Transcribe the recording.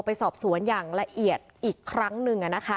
ไปสอบสวนอย่างละเอียดอีกครั้งหนึ่ง